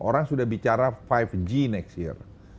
orang sudah bicara lima g next year